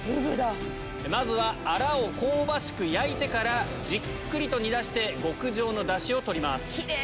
まずはあらを香ばしく焼いてからじっくりと煮出して極上のダシを取ります。